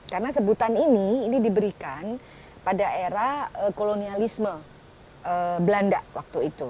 karena sebutan ini diberikan pada era kolonialisme belanda waktu itu